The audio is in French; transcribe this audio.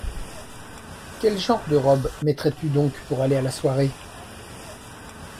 Quelle genre de robe mettrais-tu donc pour aller à la soirée ?